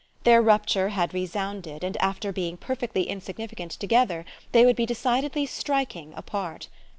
Their rupture had resounded, and after being perfectly insignificant together they would be decidedly striking apart.